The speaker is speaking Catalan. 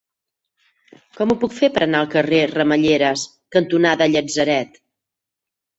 Com ho puc fer per anar al carrer Ramelleres cantonada Llatzeret?